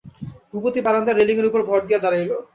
ভূপতি বারান্দার রেলিঙের উপর ভর দিয়া দাঁড়াইল।